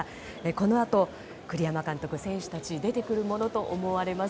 このあと、栗山監督、選手たち出てくるものと思われます。